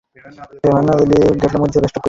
তোমাকে দেখে তো বিপর্যস্ত লাগছে।